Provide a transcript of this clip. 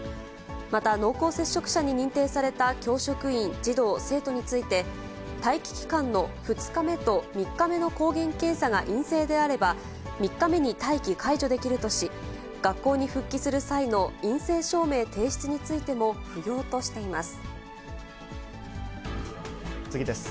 また、濃厚接触者に認定された教職員、児童・生徒について、待機期間の２日目と３日目の抗原検査が陰性であれば、３日目に待機解除できるとし、学校に復帰する際の陰性証明提出についても、不要としています。